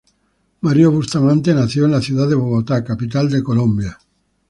Mario Bustamante nació en la ciudad de Bogotá, la capital de Colombia.